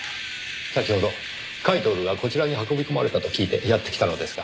先ほど甲斐享がこちらに運び込まれたと聞いてやって来たのですが。